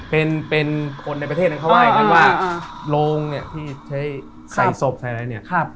เป็นแค่ข้อสันนิษฐานนะ